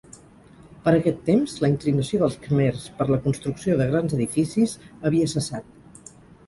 Per aquest temps, la inclinació dels khmers per la construcció de grans edificis havia cessat.